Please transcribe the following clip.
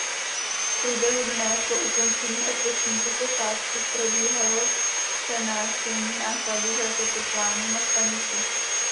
V průběhu dne po ukončení odpočinku posádky probíhalo přenášení nákladu z raketoplánu na stanici.